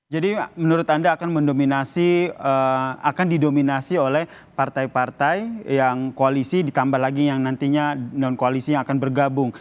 jadi menurut anda akan mendominasi akan didominasi oleh partai partai yang koalisi ditambah lagi yang nantinya non koalisi yang akan bergabung